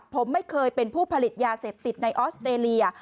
ผมไม่เคยเป็นผู้ผลิตยาเสพติดในออสเตรเลีย